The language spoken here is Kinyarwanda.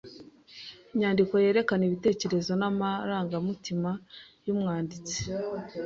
Inyandiko yerekana ibitekerezo n'amarangamutima y'umwanditsi.